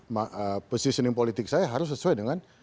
dan positioning politik saya harus sesuai dengan